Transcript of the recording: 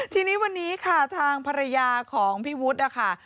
ทีนี้วันนี้ค่ะทางภรรยาของพี่วุฒินะคะ